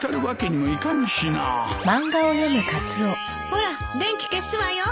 ほら電気消すわよ。